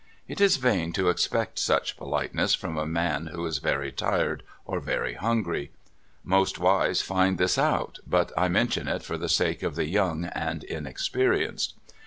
It is vain to expect much politeness from a man who is very tired or very hungry. Most wiv^es find this out, but I mention it for the sake of the young and in experienced.